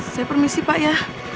saya permisi pak ya